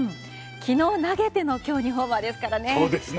昨日、投げての今日２ホーマーですからね。